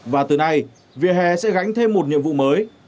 và từ nay vỉa hè sẽ gánh thêm một nhiệm vụ mới